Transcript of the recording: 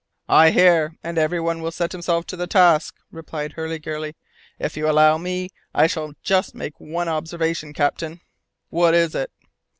"I hear, and everyone will set himself to the task," replied Hurliguerly. "If you allow me, I shall just make one observation, captain." "What is it?"